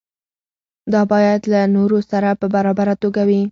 دا باید له نورو سره په برابره توګه وي.